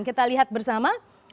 kita lihat bersama